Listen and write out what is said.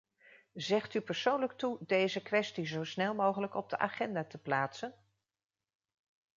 Zegt u persoonlijk toe deze kwestie zo snel mogelijk op de agenda te plaatsen?